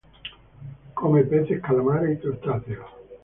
Come peces, calamares y crustáceos.